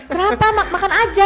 terus kayak kenapa makan aja